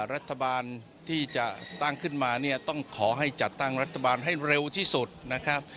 รัฐบาลที่จะตั้งขึ้นมาเนี่ยต้องขอให้จัดตั้งรัฐบาลให้เร็วที่สุดนะครับ